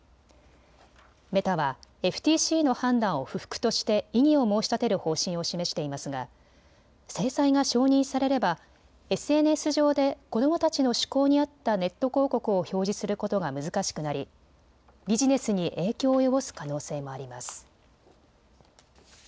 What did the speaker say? メタはＦＴＣの判断を不服として異議を申し立てる方針を示していますが制裁が承認されればＳＮＳ上で子どもたちの趣向に合ったネット広告を表示することが難しくなりビジネスに影響を及ぼす可能性もあります。